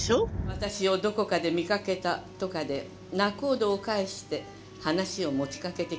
「私をどこかで見かけたとかで仲人を介して話を持ち掛けてきたのです」。